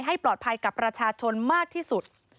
ให้ปลอดภัยกับประชาชนมากที่สุด